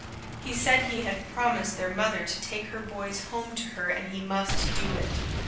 He said he had promised their mother to take her boys home to her and he must do it.